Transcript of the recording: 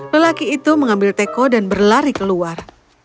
lelaki itu mengambil teko dan berlari keluar